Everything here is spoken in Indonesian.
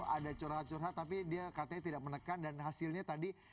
ada curhat curhat tapi dia katanya tidak menekan dan hasilnya tadi